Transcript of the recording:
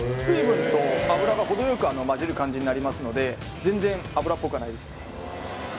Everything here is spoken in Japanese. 水分と油が程よくまじる感じになりますので全然油っぽくはないです